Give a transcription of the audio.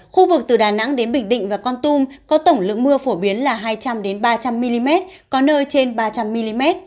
khu vực từ đà nẵng đến bình định và con tum có tổng lượng mưa phổ biến là hai trăm linh ba trăm linh mm có nơi trên ba trăm linh mm